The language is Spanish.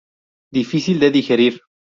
Difícil de digerir.